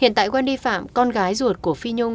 hiện tại wendy phạm con gái ruột của phi nhung